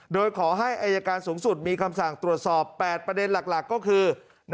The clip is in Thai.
โดยขอให้อายการสูงสุดมีคำสั่งตรวจสอบ๘ประเด็นหลักก็คือ